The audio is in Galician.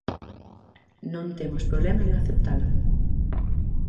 Non temos problema en aceptala.